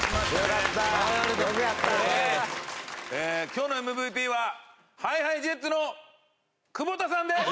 今日のＭＶＰはＨｉＨｉＪｅｔｓの久保田さんです！